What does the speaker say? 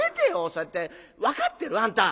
そうやって分かってる？あんた！」。